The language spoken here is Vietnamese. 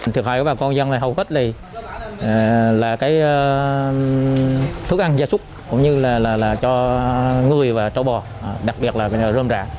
thực hại của bà con dân là hầu hết là cái thức ăn gia súc cũng như là cho người và cháu bò đặc biệt là rơm rã